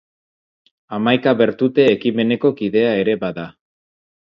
Hamaika Bertute ekimeneko kidea ere bada.